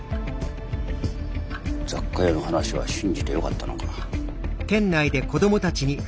雑貨屋の話は信じてよかったのか。